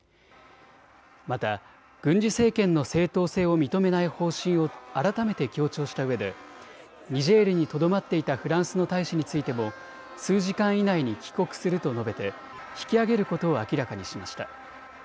また軍事政権の正当性を認めない方針を改めて強調したうえでニジェールにとどまっていたフランスの大使についても数時間以内に帰国すると述べて引きあげることを明らかにしました。